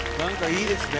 いいですね。